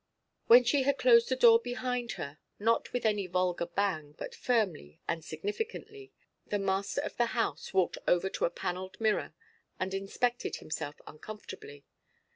When she had closed the door behind her (not with any vulgar bang, but firmly and significantly), the master of the house walked over to a panelled mirror, and inspected himself uncomfortably.